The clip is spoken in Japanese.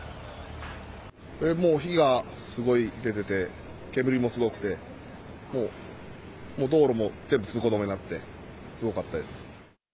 もう火がすごい出てて、煙もすごくて、もう道路も全部通行止めになって、すごかったです。